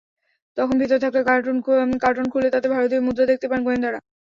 তখন ভেতরে থাকা কার্টন খুলে তাতে ভারতীয় মুদ্রা দেখতে পান গোয়েন্দারা।